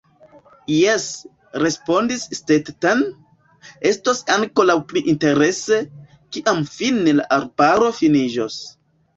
Jes, respondis Stetten, estos ankoraŭ pli interese, kiam fine la arbaro finiĝos.